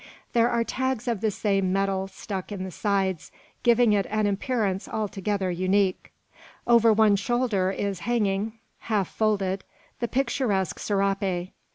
There are tags of the same metal stuck in the sides, giving it an appearance altogether unique. Over one shoulder is hanging, half folded, the picturesque serape.